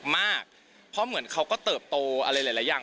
มากเพราะเหมือนเขาก็เติบโตอะไรหลายอย่าง